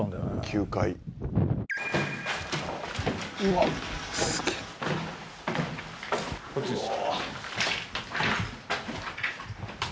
「９階」「うわっすげえ」こっちです。